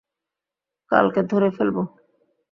কালকে ধরে ফেলব।